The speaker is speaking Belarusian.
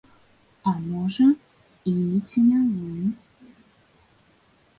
А можа, і не ценявой.